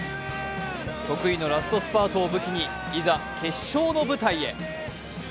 得意のラストスパートを武器に、いざ、決勝の舞台へ。